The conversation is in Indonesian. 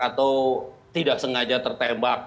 atau tidak sengaja tertembak